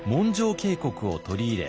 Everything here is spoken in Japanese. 経国を取り入れ